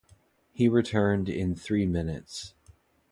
He returned in three minutes.